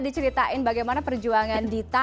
diceritakan bagaimana perjuangan dita